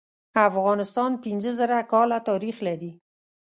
افغانستان پینځه زره کاله تاریخ لري.